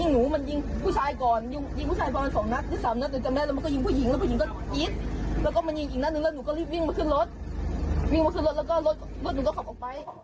วิ่งมาขึ้นรถแล้วก็รถหนูก็ขับออกไป